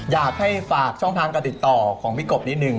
อยากให้ฝากช่องทางการติดต่อของพี่กบนิดนึง